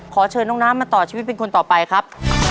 ขอเชิญน้องน้ำมาต่อชีวิตเป็นคนต่อไปครับ